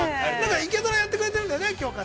◆「イケドラ」やってくれているんだよね、きょうから。